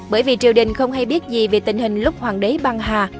bởi vì triều đình không hay biết gì về tình hình lúc hoàng đế băng hà